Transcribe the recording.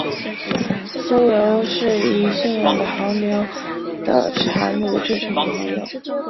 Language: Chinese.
酥油是以驯养的牦牛的产乳制成的黄油。